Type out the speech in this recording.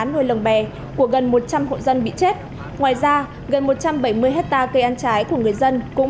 nuôi lồng bè của gần một trăm linh hộ dân bị chết ngoài ra gần một trăm bảy mươi hectare cây ăn trái của người dân cũng